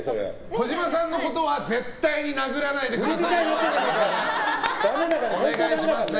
児嶋さんのことは絶対に殴らないでくださいね！